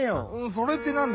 「それ」ってなんだ？